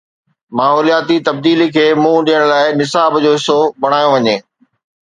ماحولياتي تبديلي کي منهن ڏيڻ لاءِ نصاب جو حصو بڻايو وڃي.